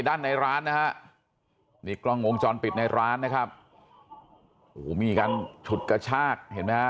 ด้านในร้านนะฮะนี่กล้องวงจรปิดในร้านนะครับโอ้โหมีการฉุดกระชากเห็นไหมฮะ